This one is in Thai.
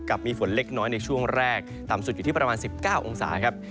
มีฝนเล็กน้อยในช่วงแรกต่ำสุดอยู่ที่ประมาณ๑๙องศาครับ